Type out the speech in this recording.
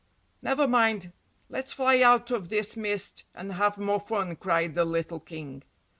"Never mind, let's fly out of this mist and have more fun!" cried the little King.